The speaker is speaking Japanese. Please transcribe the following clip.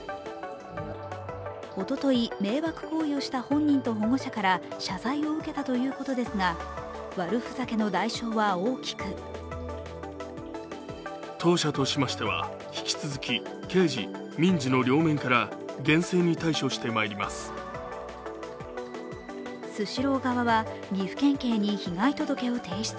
おととい、迷惑行為をした本人と保護者から謝罪を受けたということですが悪ふざけの代償は大きくスシロー側は岐阜県警に被害届を提出。